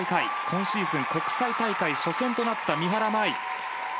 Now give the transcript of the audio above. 今シーズン国際大会初戦となった三原舞依。